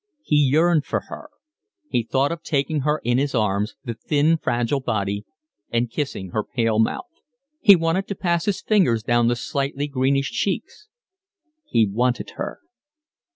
He yearned for her. He thought of taking her in his arms, the thin, fragile body, and kissing her pale mouth: he wanted to pass his fingers down the slightly greenish cheeks. He wanted her.